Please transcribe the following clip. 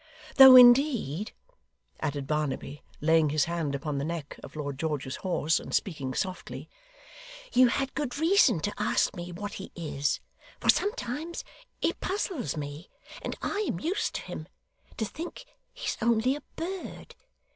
'Though, indeed,' added Barnaby, laying his hand upon the neck of Lord George's horse, and speaking softly: 'you had good reason to ask me what he is, for sometimes it puzzles me and I am used to him to think he's only a bird.